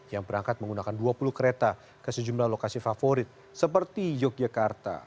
yang berangkat menggunakan dua puluh kereta ke sejumlah lokasi favorit seperti yogyakarta